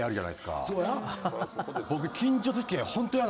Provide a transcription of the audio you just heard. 僕。